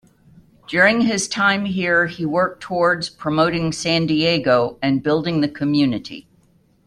During his time here, he worked towards promoting San Diego and building the community.